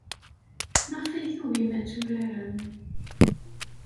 Maɣef ay tugim ad turarem?